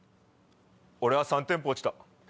俺は３店舗落ちた。